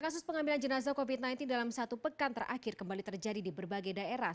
kasus pengambilan jenazah covid sembilan belas dalam satu pekan terakhir kembali terjadi di berbagai daerah